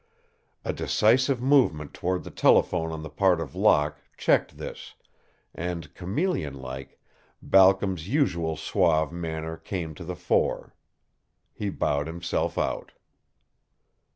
A decisive movement toward the telephone on the part of Locke checked this and, chameleon like, Balcom's usual suave manner came to the fore. He bowed himself out.